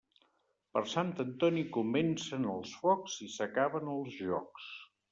Per Sant Antoni comencen els focs i s'acaben els jocs.